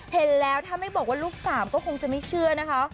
เห็นแล้วถ้าไม่บอกว่าลูกสามก็คงจะไม่เชื่อนะคะ